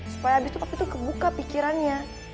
supaya habis itu papi tuh kebuka pikirannya